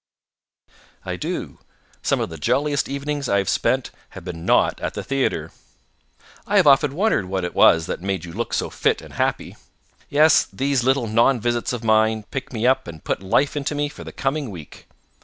"I do. Some of the jolliest evenings I have spent have been not at the theatre." "I have often wondered what it was that made you look so fit and happy." "Yes. These little non visits of mine pick me up and put life into me for the coming week.